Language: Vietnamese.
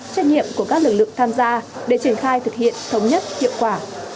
trách nhiệm của các lực lượng tham gia để triển khai thực hiện thống nhất hiệu quả